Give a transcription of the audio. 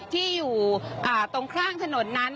ที่อยู่ตรงข้างถนนนั้น